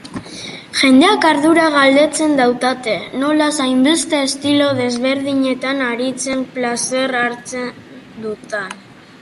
Jendeak ardura galdetzen dautate nolaz hainbeste estilo desberdinetan aritzea plazer hartzen dutan.